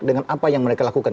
dengan apa yang mereka lakukan